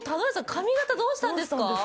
髪形どうしたんですか？